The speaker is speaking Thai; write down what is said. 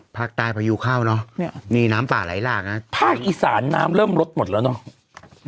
พลักษณ์ใต้ประยูเข้าเนาะนี่น้ำต่าไหลลากนะฮะภาคอีสานน้ำเริ่มลดหมดแล้วเนาะ